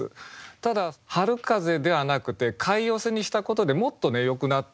ただ「春風」ではなくて「貝寄風」にしたことでもっとねよくなったんですね。